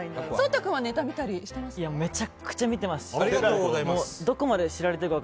颯太君はネタ見たりしてますか。